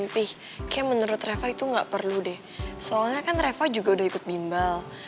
kayaknya menurut reva itu nggak perlu deh soalnya kan reva juga udah ikut bimbal